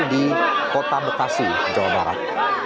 di kota bekasi jawa barat